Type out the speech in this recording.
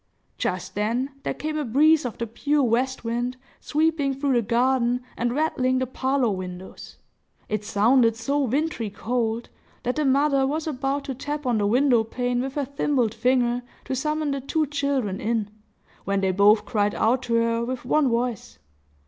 Just then, there came a breeze of the pure west wind, sweeping through the garden and rattling the parlor windows. It sounded so wintry cold, that the mother was about to tap on the window pane with her thimbled finger, to summon the two children in, when they both cried out to her with one voice.